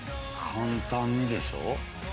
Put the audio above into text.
簡単にでしょ。